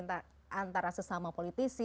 antara sesama politisi